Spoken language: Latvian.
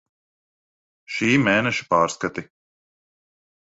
Šī mēneša pārskati.